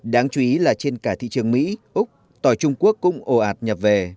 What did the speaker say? đáng chú ý là trên cả thị trường mỹ úc tỏi trung quốc cũng ồ ạt nhập về